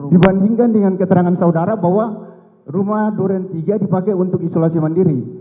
dibandingkan dengan keterangan saudara bahwa rumah duren tiga dipakai untuk isolasi mandiri